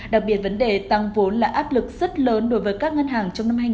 đặc biệt vấn đề tăng vốn là áp lực rất lớn đối với các ngân hàng trong năm hai nghìn hai mươi